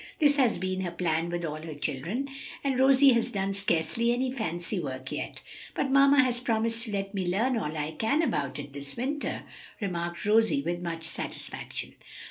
That has been her plan with all her children, and Rosie has done scarcely any fancy work yet." "But mamma has promised to let me learn all I can about it this winter," remarked Rosie, with much satisfaction.